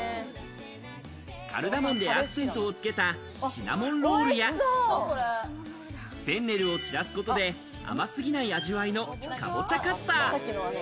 カルダモンでアクセントをつけたシナモンロールや、フェンネルを散らすことで、甘すぎない味わいの、かぼちゃカスター。